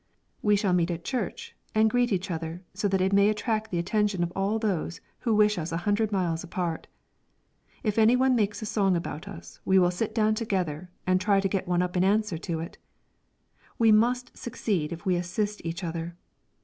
We shall meet at church and greet each other so that it may attract the attention of all those who wish us a hundred miles apart. If any one makes a song about us we will sit down together and try to get up one in answer to it; we must succeed if we assist each other.